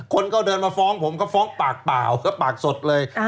คนก็เดินมาฟ้องผมก็ฟ้องปากเปล่าก็ปากสดเลย